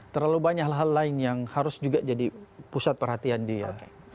terlalu banyak hal hal lain yang harus juga jadi pusat perhatian dia